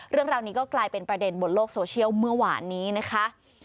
เรื่องราวนี้ก็กลายเป็นประเด็นบนโลกโซเชียลเมื่อวานนี้นะคะ